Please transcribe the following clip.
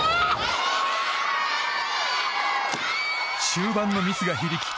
終盤のミスが響き